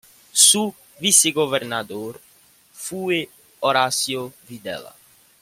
Su vicegobernador fue Horacio Videla.